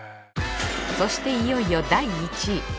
そしていよいよ第１位。